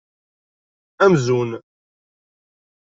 Amzun!